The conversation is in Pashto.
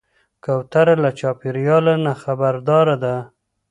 کوتره له چاپېریاله نه خبرداره ده.